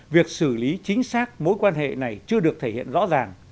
việc xử lý chính xác mối quan hệ này chưa được thể hiện rõ ràng